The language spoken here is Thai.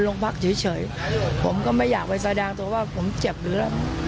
ลงพักเฉยเฉยผมก็ไม่อยากไปแสดงตัวว่าผมเจ็บหรืออะไร